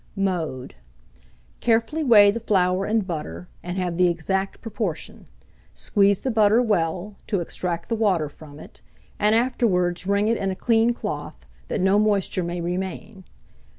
Mode. Carefully weigh the flour and butter, and have the exact proportion; squeeze the butter well, to extract the water from it, and afterwards wring it in a clean cloth, that no moisture may remain.